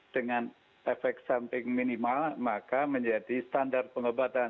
dengan efek samping minimal maka menjadi standar pengobatan